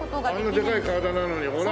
あんなでかい体なのにほら。